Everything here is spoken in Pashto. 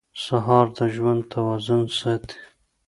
سهار د ژوند توازن ساتي.